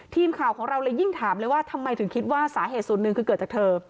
ทีมข่าวของเราเลยยิ่งถามเลยว่าทำไมถึงคิดว่าสาเหตุส่วนหนึ่งคือเกิดจากเธอ